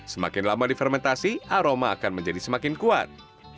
semakin lama difermentasi aroma akan menjadi semakin kuat